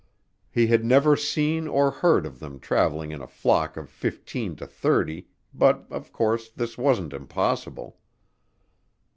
He had never seen or heard of them traveling in a flock of fifteen to thirty but, of course, this wasn't impossible.